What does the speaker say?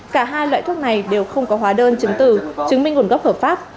cả hai loại thuốc này đều không có hóa đơn chứng từ chứng minh nguồn gốc hợp pháp